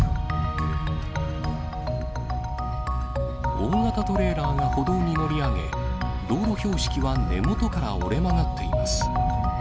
大型トレーラーが歩道に乗り上げ、道路標識は根元から折れ曲がっています。